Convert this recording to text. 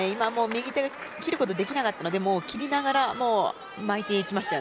右手を切ることができなかったので切りながら巻いていきました。